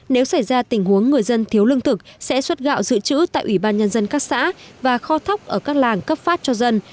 nếu xảy ra tình huống người dân thiếu lương thực sẽ xuất gạo dự trữ tại ủy ban nhân dân các xã và kho thóc ở các làng cấp phát cho dân